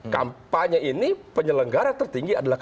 kampanye ini penyelenggara tertinggi adalah